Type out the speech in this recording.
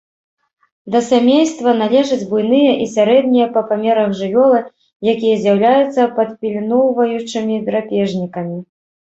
Да сямейства належаць буйныя і сярэднія па памерах жывёлы, якія з'яўляюцца падпільноўваючымі драпежнікамі.